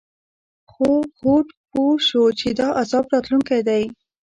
خو هود پوه شو چې دا عذاب راتلونکی دی.